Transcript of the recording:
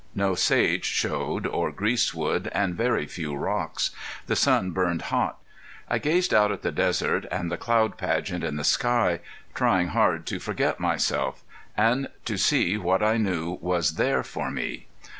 No sage showed or greasewood, and very few rocks. The sun burned hot. I gazed out at the desert, and the cloud pageant in the sky, trying hard to forget myself, and to see what I knew was there for me.